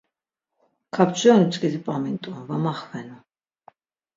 Kapçironi mç̌ǩidi p̌amint̆u, va maxvenu.